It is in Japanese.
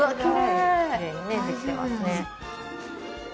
きれいにねできてますね。